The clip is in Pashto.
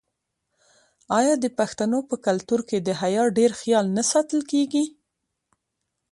آیا د پښتنو په کلتور کې د حیا ډیر خیال نه ساتل کیږي؟